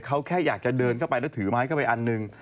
เขาแค่อยากจะเดินเข้าไปแล้วถือไม้เข้าไปอันหนึ่ง